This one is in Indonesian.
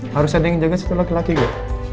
harus ada yang jaga satu laki laki ya